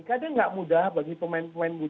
kadang tidak mudah bagi pemain pemain